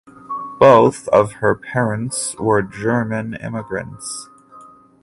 Both of her parents were German immigrants.